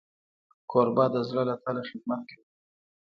کوربه د زړه له تله خدمت کوي.